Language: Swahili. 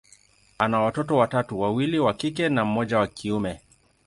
ana watoto watatu, wawili wa kike na mmoja wa kiume.